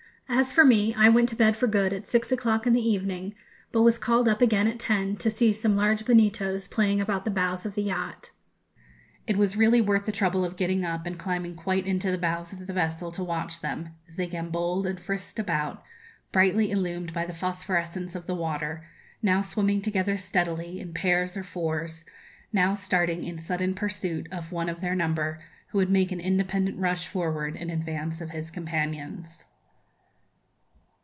As for me, I went to bed for good at six o'clock in the evening, but was called up again at ten, to see some large bonitos playing about the bows of the yacht. It was really worth the trouble of getting up and climbing quite into the bows of the vessel to watch them, as they gambolled and frisked about, brightly illumined by the phosphorescence of the water, now swimming together steadily in pairs or fours, now starting in sudden pursuit of one of their number, who would make an independent rush forward in advance of his companions.